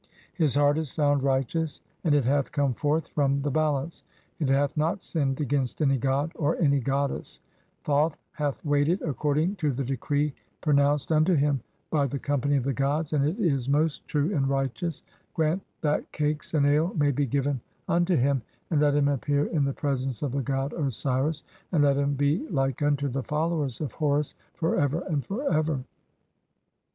His "heart is [found] righteous. (2) and it hath come forth from the "balance ; it hath not sinned against any god or any goddess. "Thoth hath weighed it according to the decree pronounced (3) 1. See Chapter CX. THE DECEASED IN LED IS BEFORE OSIRIS. 15 "unto him by the company of the gods ; and it is most true "and righteous. Grant that cakes and ale may be given unto "him, and let him appear in the presence of the god Osiris ; (4) "and let him be like unto the followers of Horus for ever and "for ever."